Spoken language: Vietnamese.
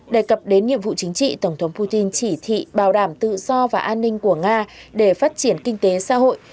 đề cập đến nhiệm vụ chính trị tổng thống putin chỉ thị bảo đảm tự do và an ninh của nga để phát triển kinh tế xã hội